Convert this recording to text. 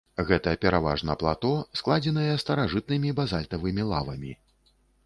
Гэта пераважна плато, складзеныя старажытнымі базальтавымі лавамі.